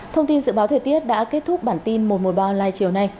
thông tin dự báo thời tiết đã kết thúc bản tin một trăm một mươi ba online chiều nay